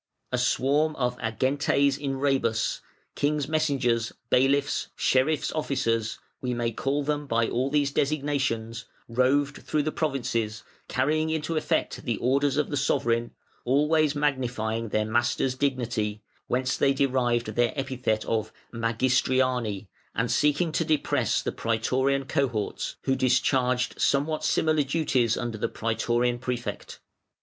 A swarm of Agentes in Rebus (King's messengers, bailiffs, sheriff's officers; we may call them by all these designations) roved through the provinces, carrying into effect the orders of the sovereign, always magnifying their "master's" dignity, (whence they derived their epithet of "Magistriani",) and seeking to depress the Prætorian Cohorts, who discharged somewhat similar duties under the Prætorian Prefect.